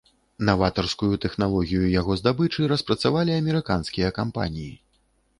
Наватарскую тэхналогію яго здабычы распрацавалі амерыканскія кампаніі.